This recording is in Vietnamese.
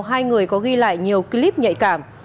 hai người có ghi lại nhiều clip nhạy cảm